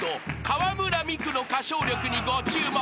［河邑ミクの歌唱力にご注目］